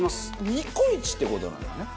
ニコイチって事なんだね。